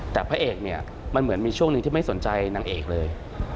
แต่พระเอกเนี่ยมันเหมือนมีช่วงหนึ่งที่ไม่สนใจนางเอกเลย